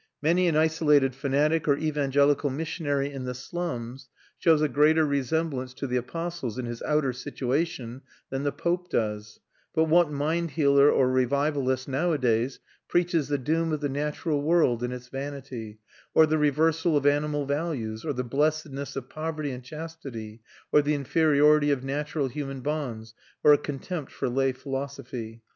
Many an isolated fanatic or evangelical missionary in the slums shows a greater resemblance to the apostles in his outer situation than the pope does; but what mind healer or revivalist nowadays preaches the doom of the natural world and its vanity, or the reversal of animal values, or the blessedness of poverty and chastity, or the inferiority of natural human bonds, or a contempt for lay philosophy?